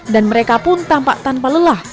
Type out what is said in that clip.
dan mereka pun tampak tanpa lelah